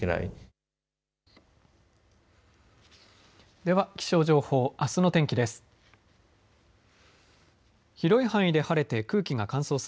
では気象情報あすの天気です。